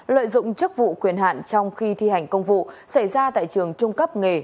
lợi dụng chức vụ quyền hạn trong khi thi hành công vụ xảy ra tại trường trung cấp nghề